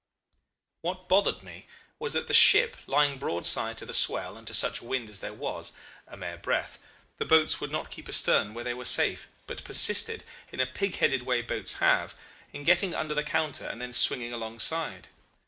"What bothered me was that the ship, lying broadside to the swell and to such wind as there was a mere breath the boats would not keep astern where they were safe, but persisted, in a pig headed way boats have, in getting under the counter and then swinging alongside.